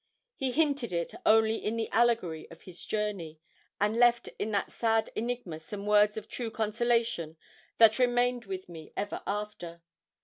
He hinted it only in the allegory of his journey, and left in that sad enigma some words of true consolation that remained with me ever after.